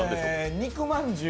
肉まんじゅう。